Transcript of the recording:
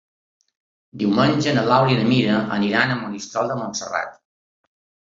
Diumenge na Laura i na Mira aniran a Monistrol de Montserrat.